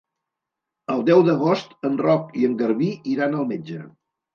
El deu d'agost en Roc i en Garbí iran al metge.